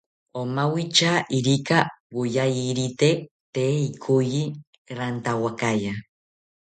omawitya irika woyayirite, tee ikoyi rantawakaya